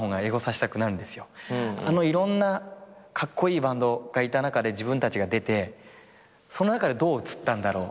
あのいろんなカッコイイバンドがいた中で自分たちが出てその中でどう映ったんだろう？